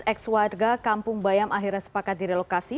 ex warga kampung bayam akhirnya sepakat direlokasi